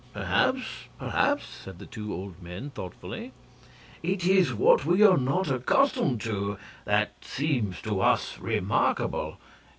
"Perhaps perhaps!" said the two old men, thoughtfully. "It is what we are not accustomed to that seems to us remarkable.